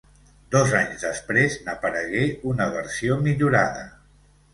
Dos anys després n'aparegué una versió millorada.